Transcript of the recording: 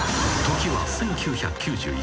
［時は１９９１年］